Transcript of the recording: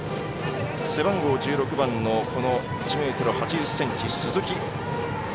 背番号１６番の１ｍ８０ｃｍ、鈴木。